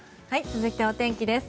続いてはお天気です。